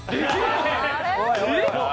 えっ？